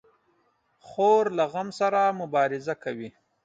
خور له غم سره مبارزه کوي.